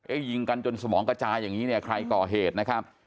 ยิงกันจนสมองกระจายอย่างนี้เนี่ยใครก่อเหตุนะครับ